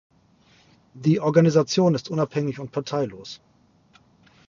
Die Organisation ist unabhängig und parteilos.